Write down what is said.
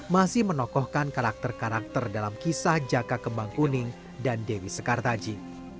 masih menokohkan karakter karakter dalam kisah jaka kembang kuning dan dewi sekartaji